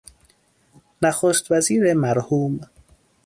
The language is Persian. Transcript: نخست وزیر مرحوم